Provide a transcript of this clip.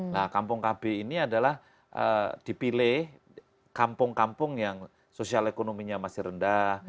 nah kampung kb ini adalah dipilih kampung kampung yang sosial ekonominya masih rendah